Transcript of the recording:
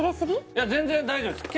いや全然大丈夫です